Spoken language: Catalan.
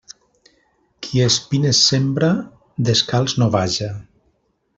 Qui espines sembra, descalç no vaja.